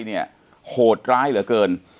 เนี่ยโหดร้ายเหลือเกิน